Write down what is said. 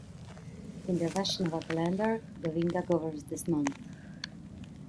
In the Vaishnava calendar, Govinda governs this month.